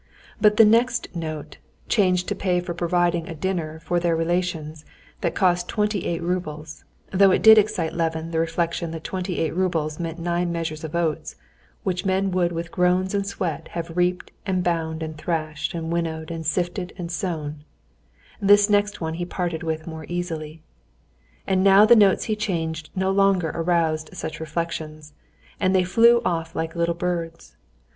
But the next note, changed to pay for providing a dinner for their relations, that cost twenty eight roubles, though it did excite in Levin the reflection that twenty eight roubles meant nine measures of oats, which men would with groans and sweat have reaped and bound and thrashed and winnowed and sifted and sown,—this next one he parted with more easily. And now the notes he changed no longer aroused such reflections, and they flew off like little birds.